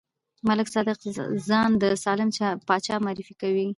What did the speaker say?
ملک صادق ځان د سالم پاچا معرفي کوي.